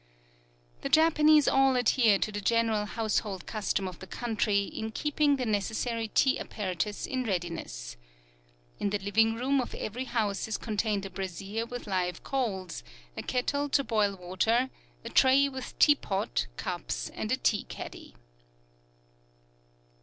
The Japanese all adhere to the general household custom of the country in keeping the necessary tea apparatus in readiness. In the living room of every house is contained a brazier with live coals, a kettle to boil water, a tray with tea pot, cups, and a tea caddy.